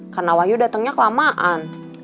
karena wahyu datengnya kelamaan